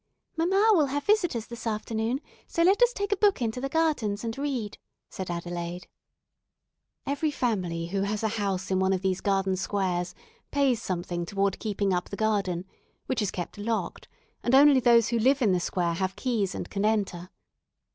"Mamma will have visitors this afternoon, so let us take a book into the gardens and read," said Adelaide. Every family who has a house in one of these garden squares pays something toward keeping up the garden, which is kept locked, and only those who live in the square have keys and can enter.